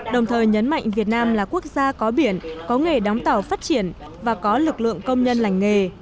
đồng thời nhấn mạnh việt nam là quốc gia có biển có nghề đóng tàu phát triển và có lực lượng công nhân lành nghề